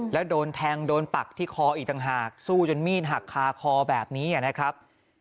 แล้วโดนแทงโดนปักที่คออีกต่างหากสู้จนมีดหักคาคอแบบนี้นะครับ